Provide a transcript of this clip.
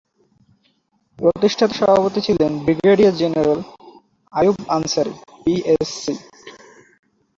প্রতিষ্ঠাতা সভাপতি ছিলেন brigadier general Ayub Ansari, PSC.